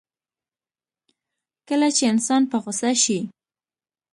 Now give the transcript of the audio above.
کله چې انسان په غوسه شي.